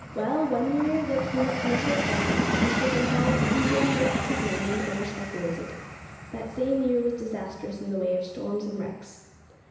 Well, one year there came a commercial crisis. Mr Getall eagerly risked his money and over speculated. That same year was disastrous in the way of storms and wrecks.